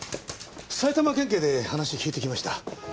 埼玉県警で話聞いてきました。